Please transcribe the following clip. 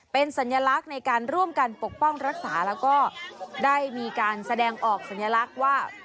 เป็นสัญลักษณ์ในการร่วมกันปกป้องรักษาแล้วก็ได้มีการแสดงออกสัญลักษณ์ว่า